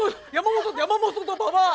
山本と馬場。